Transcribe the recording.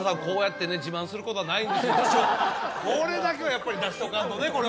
こうやってね自慢することはないんですがこれだけはやっぱり出しとかんとね